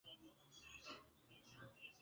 Ungejifunza ukimya, haunanga hasara